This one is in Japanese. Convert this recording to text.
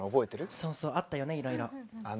そうそうあったよねいろいろ。